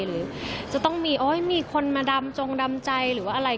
หรือจะต้องมีคนมาดำจงดำใจหรือว่าอะไร